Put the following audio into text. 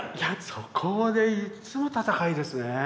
そこはねいっつも闘いですね。